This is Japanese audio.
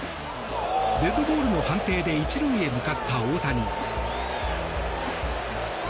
デッドボールの判定で１塁へ向かった大谷。